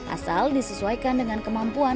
asal disesuaikan dengan kemampuan